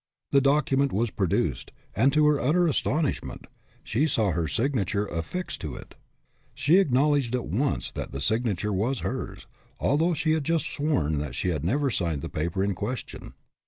The document was produced, and, to her utter astonishment, she saw her signature affixed to it. She acknowledged at once that the signa ture was hers, although she had just sworn that she had never signed the paper in ques tion.